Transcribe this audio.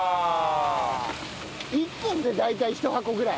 １本で大体１箱ぐらい？